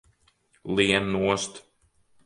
Lien nost!